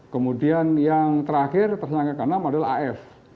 kemudian yang terakhir terselangkahkan enam adalah af